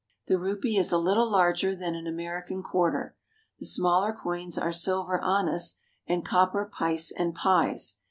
The rupee is a little larger than an American quarter. The smaller coins are silver annas and copper pice and pies.